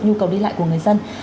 nhu cầu đi lại của người dân